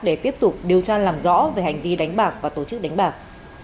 để tiếp tục điều tra làm rõ về hành vi đánh bạc và tổ chức đánh bạc